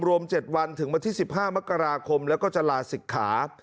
รวม๗วันถึงวันที่๑๕มกราคมแล้วก็จะลาศิกขา